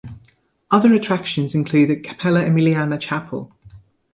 Other attractions include the Cappella Emiliana chapel.